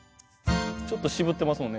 ちょっと渋ってますもんね。